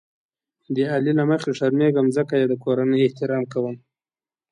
د علي له مخې شرمېږم ځکه یې د کورنۍ احترام کوم.